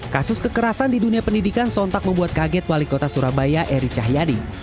kasus kekerasan di dunia pendidikan sontak membuat kaget wali kota surabaya eri cahyadi